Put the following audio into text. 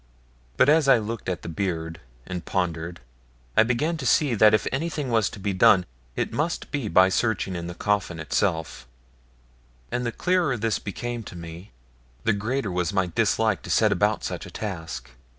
But as I looked at the beard and pondered, I began to see that if anything was to be done, it must be by searching in the coffin itself, and the clearer this became to me, the greater was my dislike to set about such a task.